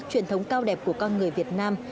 truyền thống cao đẹp của con người việt nam